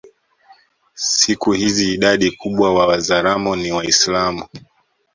Siku hizi idadi kubwa wa Wazaramo ni Waislamu